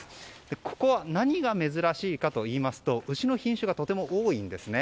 ここは何が珍しいかといいますと牛の品種がとても多いんです。